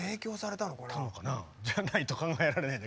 じゃないと考えられない。